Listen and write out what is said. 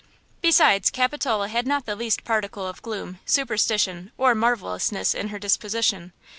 Besides, Capitola had not the least particle of gloom, superstition or marvelousness in her disposition.